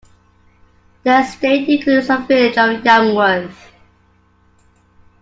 The estate includes the village of Yanworth.